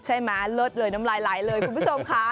ใช่ไหมเลิศเลยน้ำลายไหลเลยคุณผู้สมค้า